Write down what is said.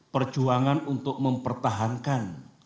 perjuangan untuk mempertahankan